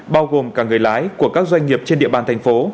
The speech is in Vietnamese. bao gồm cả người lái của các doanh nghiệp trên địa bàn thành phố